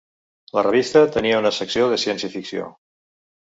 La revista tenia una secció de ciència-ficció.